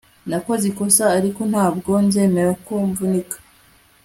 nakoze ikosa, ariko ntabwo nzemera ko mvunika